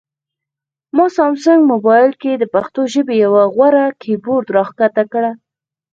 ما سامسنګ مبایل کې د پښتو ژبې یو غوره کیبورډ راښکته کړ